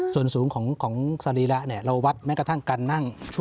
ส่วนสูงของสรีระเราวัดแม้กระทั่งการนั่ง